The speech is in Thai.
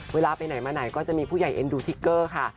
เวลาไปไหนมาไหนก็จะมีผู้ใหญ่เอ็นดูทิกเกอร์ค่ะ